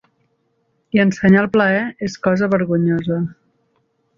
...i ensenyar el plaer és cosa vergonyosa